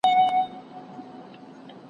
پنجشنبه د اونۍ تر ټولو بوخته ورځ وي.